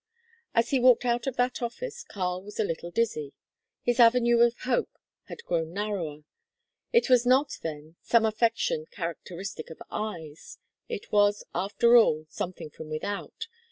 As he walked out of that office Karl was a little dizzy. His avenue of hope had grown narrower. It was not, then, some affection characteristic of eyes. It was, after all, something from without.